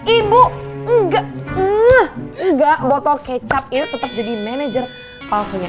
ibu enggak enggak botol kecap itu tetap jadi manajer palsunya